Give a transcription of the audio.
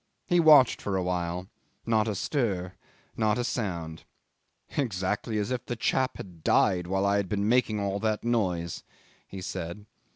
He watched for a while. Not a stir, not a sound. "Exactly as if the chap had died while I had been making all that noise," he said.